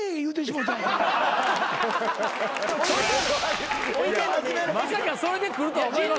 まさかそれで来るとは思いませんよ。